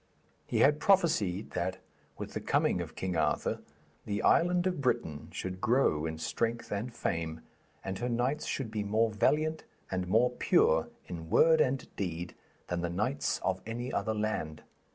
He had prophesied that, with the coming of King Arthur, the island of Britain should grow in strength and fame, and her knights should be more valiant and more pure in word and deed than the knights of any other land.